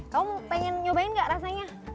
kamu pengen nyobain gak rasanya